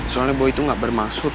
soalnya boy tuh gak bermaksud